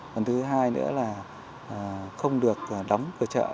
còn thứ hai nữa là không được đóng cửa chợ